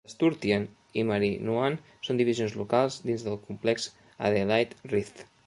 Els Sturtian i Marinoan són divisions locals dins del complex Adelaide Rift.